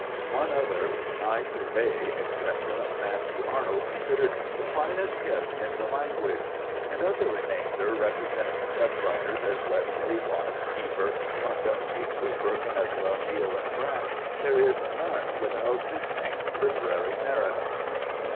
One other, " When I survey," etc., Matthew Arnold considered the finest hymn in the language. And of the remainder, representing such writers as Wesley, Watts, Heber, Montgomery, Cowper, Caswall, Neale, and Grant, there is none without distinct liter ary merit.